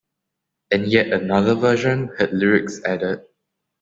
And yet another version had lyrics added.